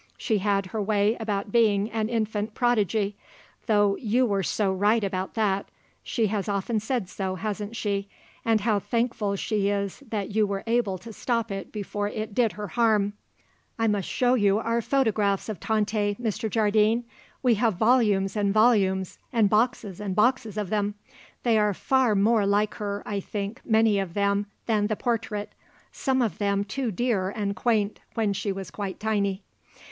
She had her way about being an infant prodigy; though you were so right about that she has often said so, hasn't she, and how thankful she is that you were able to stop it before it did her harm. I must show you our photographs of Tante, Mr. Jardine. We have volumes and volumes, and boxes and boxes of them. They are far more like her, I think, many of them, than the portrait. Some of them too dear and quaint when she was quite tiny."